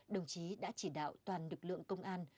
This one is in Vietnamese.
đồng chí đã chỉ đạo toàn lực lượng công an